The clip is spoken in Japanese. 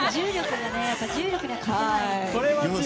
重力には勝てないですよ。